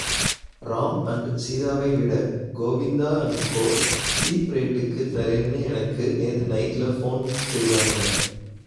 Ram and சீதாவைவிட Govinda and கோ, cheap ரேட்டுக்குத் தரேன்னு எனக்கு நேத்து நைட்லே போன் செய்தாங்க.